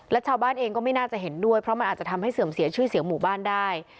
และชาวบ้านเองก็ไม่น่าจะเห็นด้วยเพราะมันอาจจะทำให้เสื่อมเสียชื่อเสียงหมู่บ้านได้